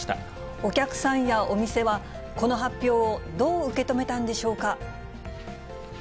お客さんやお店は、この発表をどう受け止めたんでしょうか。